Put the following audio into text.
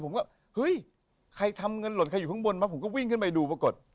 ผมก็เฮ้ยใครทำเงินหล่นใครอยู่ข้างบนมาผมก็วิ่งขึ้นไปดูปรากฏ